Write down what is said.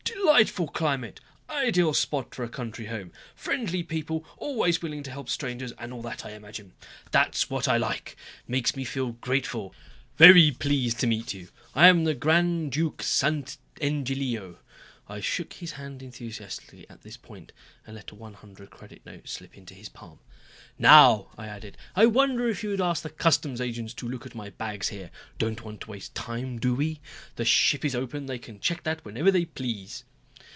Delightful climate! Ideal spot for a country home. Friendly people, always willing to help strangers and all that I imagine. That's what I like. Makes me feel grateful. Very pleased to meet you. I am the Grand Duke Sant' Angelo." I shook his hand enthusiastically at this point and let a one hundred credit note slip into his palm. "Now," I added, "I wonder if you would ask the customs agents to look at my bags here. Don't want to waste time, do we? The ship is open, they can check that whenever they please."